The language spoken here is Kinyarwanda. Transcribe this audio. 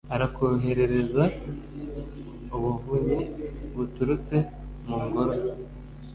Arakoherereze ubuvunyi buturutse mu ngoro ye